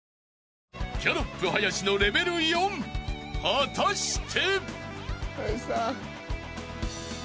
果たして？］